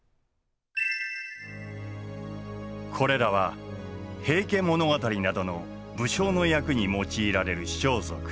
これらは「平家物語」などの武将の役に用いられる装束。